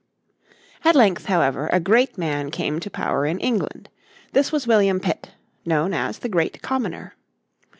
At length, however, a great man came to power in England. This was William Pitt, known as the Great Commoner.